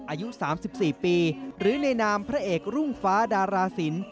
อายุ๓๔ปีหรือในนามพระเอกรุ่งฟ้าดาราศิลป์